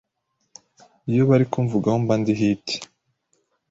iyo bari kumvugaho mba ndi Hit